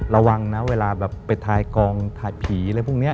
ระวังนะเวลาไปไฟล์กองแถบผีอะไรพวกนี้